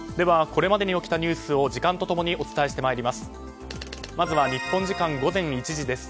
これまでに起きたニュースを時間と共にお伝えします。